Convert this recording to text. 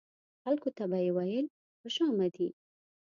خلکو ته به یې ویل خوش آمدي.